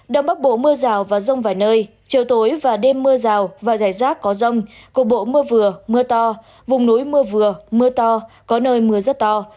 đông bắc bộ mưa rào và rông vài nơi chiều tối và đêm mưa rào và rải rác có rông cục bộ mưa vừa mưa to vùng núi mưa vừa mưa to có nơi mưa rất to